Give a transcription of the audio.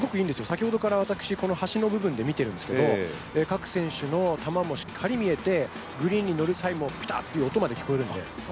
先ほどから私、この橋の部分で見ているんですけど各選手の球もしっかり見えてグリーンにのる際もピタッという音まで聞こえるんで。